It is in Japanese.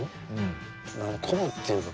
鼓舞っていうか